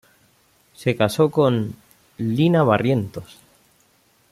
Se casó con "Lina Barrientos".